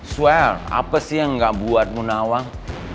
swear apa sih yang nggak buat bu nawang